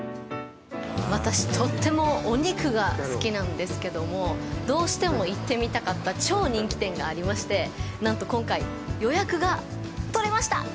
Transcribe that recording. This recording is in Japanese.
私とってもお肉が好きなんですけどもどうしても行ってみたかった超人気店がありましてなんと今回、予約が取れました！